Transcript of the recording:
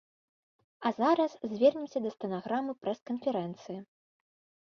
А зараз звернемся да стэнаграмы прэс-канферэнцыі.